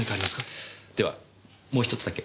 ではもう１つだけ。